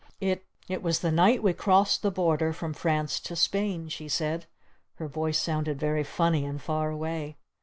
"It It was the night we crossed the border from France to Spain," she said. Her voice sounded very funny and far away.